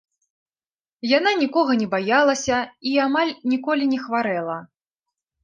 Яна нікога не баялася і амаль ніколі не хварэла.